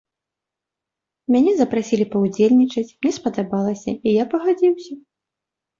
Мяне запрасілі паўдзельнічаць, мне спадабалася, і я пагадзіўся.